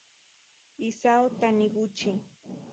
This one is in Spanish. Isao Taniguchi